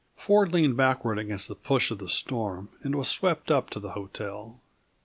Ford leaned backward against the push of the storm and was swept up to the hotel.